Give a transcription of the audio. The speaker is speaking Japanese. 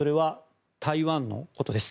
台湾のことです。